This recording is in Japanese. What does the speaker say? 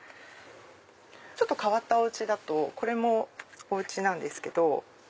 ちょっと変わったお家だとこれもお家なんですけど。